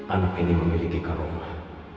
anak ini memiliki karunah